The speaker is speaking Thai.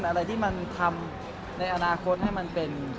อะไรที่มันทำในอนาคตให้มันเป็น